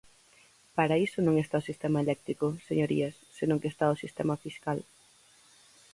Para iso non está o sistema eléctrico, señorías, senón que está o sistema fiscal.